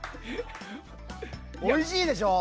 おいしいでしょう。